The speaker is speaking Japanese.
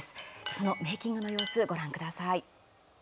そのメーキングの様子ご覧ください。